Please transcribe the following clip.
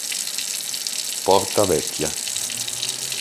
Porta Vecchia